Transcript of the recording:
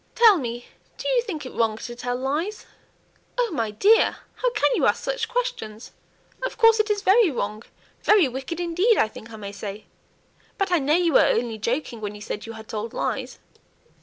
Tell me, do you think it wrong to tell lies?" "Oh, my dear! how can you ask such questions? of course it is very wrong, very wicked indeed, I think I may say. But I know you were only joking when you said you had told lies."